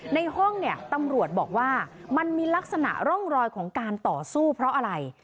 ในห้องเนี่ยตำรวจบอกว่ามันมีลักษณะร่องรอยของการต่อสู้เพราะอะไร